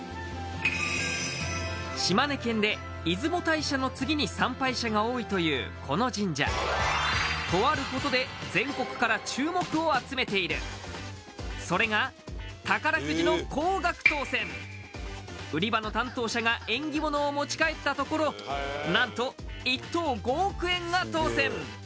島根県で出雲大社の次に参拝者が多いというこの神社とあることで全国から注目を集めているそれが宝くじの高額当せん売り場の担当者が縁起物を持ち帰ったところ何と１等５億円が当せん